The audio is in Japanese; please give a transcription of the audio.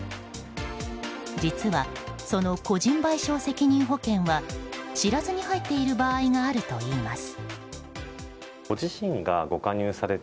実は、その個人賠償責任保険は知らずに入っている場合があるといいます。